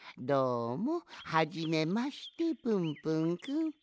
どうもはじめましてぷんぷんくん。